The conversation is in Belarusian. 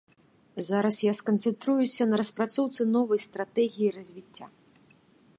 Зараз я сканцэнтруюся на распрацоўцы новай стратэгіі развіцця.